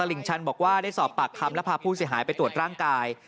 ลิงชันบอกว่าได้สอบปากคำและพาผู้เสียหายไปตรวจร่างกาย